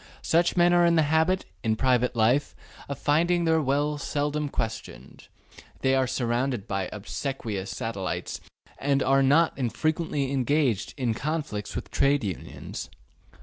Such men are in the habit, in private life, of finding their will seldom questioned; they are surrounded by obsequious satellites and are not infrequently engaged in conflicts with Trade Unions.